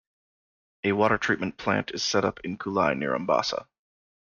A water treatment plant is set up in Kulai near Ambassa.